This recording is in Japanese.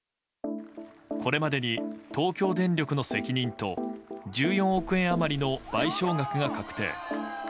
これまでに東京電力の責任と１４億円余りの賠償額が確定。